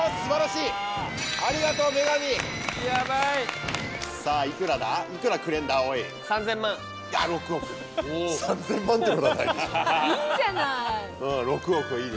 いいじゃない。